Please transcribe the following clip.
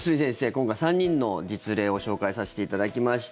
今回、３人の実例を紹介させていただきました。